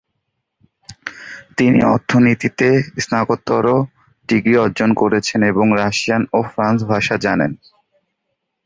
তিনি অর্থনীতিতে স্নাতকোত্তর ডিগ্রি অর্জন করেছেন এবং রাশিয়ান ও ফ্রেঞ্চ ভাষা জানেন।